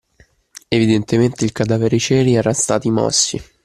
Evidentemente, il cadavere e i ceri eran stati mossi.